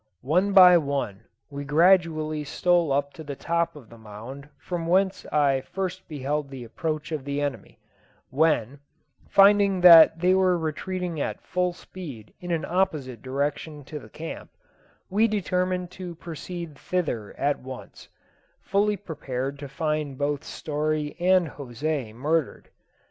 One by one, we gradually stole up to the top of the mound from whence I first beheld the approach of the enemy, when, finding that they were retreating at full speed in an opposite direction to the camp, we determined to proceed thither at once, fully prepared to find both Story and José murdered.